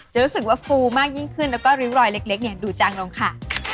รู้สึกว่าฟูมากยิ่งขึ้นแล้วก็ริ้วรอยเล็กเนี่ยดูจังลงค่ะ